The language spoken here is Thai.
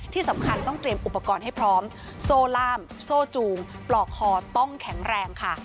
ที่สำคัญต้องเตรียมอุปกรณ์ให้พร้อมโซ่ล่ามโซ่จูงปลอกคอต้องแข็งแรงค่ะ